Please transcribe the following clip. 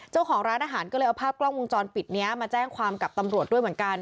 เจ้าของร้านอาหารก็เลยเอาภาพกล้องวงจรปิดนี้มาแจ้งความกับตำรวจด้วยเหมือนกัน